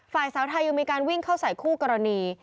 ฝ่ายสาวไทยยังมีการวิ่งเข้าใส่คู่กรณี